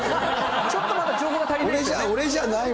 ちょっとまだ情報が足りない。